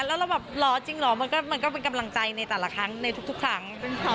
แล้วเราแบบรอจริงเหรอมันก็เป็นกำลังใจในแต่ละครั้งในทุกครั้ง